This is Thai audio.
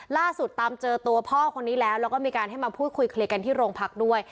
ล่าสุดตามเจอตัวพ่อคนนี้แล้วแล้วก็มีการให้มาพูดคุยเคลียร์กันที่โรงพักด้วย